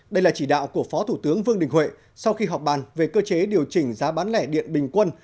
đây là chỉ đạo của phó thủ tướng vương đình huệ sau khi họp bàn về cơ chế điều chỉnh giá bán lẻ điện bình quân